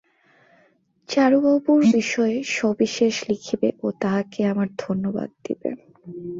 চারুবাবুর বিষয় সবিশেষ লিখিবে ও তাঁহাকে আমার ধন্যবাদ দিবে।